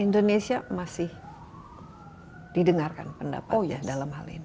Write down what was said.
indonesia masih didengarkan pendapatnya dalam hal ini